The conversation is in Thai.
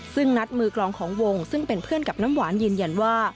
ซึ่งนัดมือกลองของวงซึ่งเป็นเพื่อนกับน้ำหวานยืนยันว่า